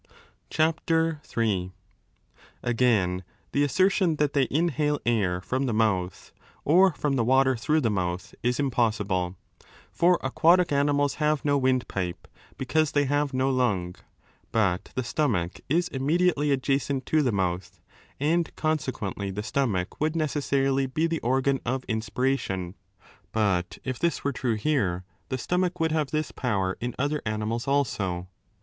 CHAPTER ni Again, the assertion that they inhale air from the mouth, or from the water through the mouth, is im possible. For aquatic animals have no windpipe, because they have no lung, but the stomach is inmiediately adjacent to the mouth, and consequently the stomach would necessarily be the organ of inspiration. But if this were true here, the stomach would have this power in other animals also.